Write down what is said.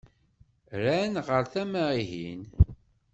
Rran ɣer tama-ihin.